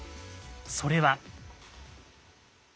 それは。